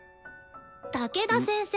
武田先生